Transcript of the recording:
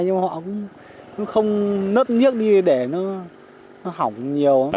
nhưng mà họ cũng không nớt nhiếc đi để nó hỏng nhiều